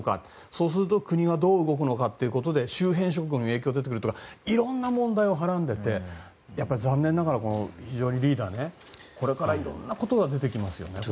そうすると国がどう動くのかということで周辺諸国に影響が出てくるなどいろんな問題をはらんでいてリーダー、残念ながらこれからいろんなことが出てきますよね。